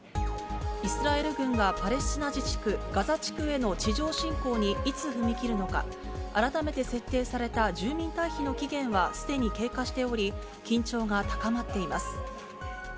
イスラエル軍はパレスチナ自治区ガザ地区への地上侵攻にいつ踏み切るのか、改めて設定された住民退避の期限はすでに経過しており、緊張が高まっています。